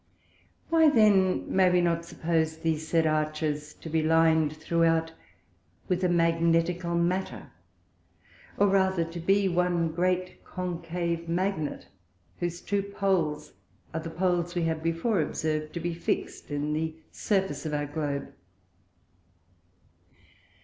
Why then may we not suppose these said Arches to be lin'd throughout with a Magnetical Matter, or rather to be one great Concave Magnet, whose two Poles are the Poles we have before observ'd to be fixt in the Surface of our Globe.